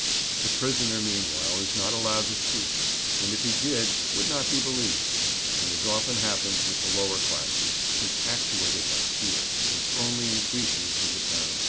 The prisoner meanwhile is not allowed to speak, and if he did would not be believed, and, as often happens with the lower classes, is actuated by fear, which only increases his apparent guilt.